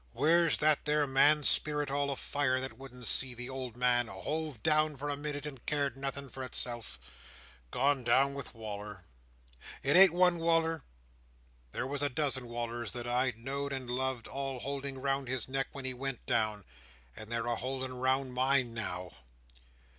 Where's that there man's spirit, all afire, that wouldn't see the old man hove down for a minute, and cared nothing for itself? Gone down with Wal"r. It ain't one Wal"r. There was a dozen Wal"rs that I know'd and loved, all holding round his neck when he went down, and they're a holding round mine now!"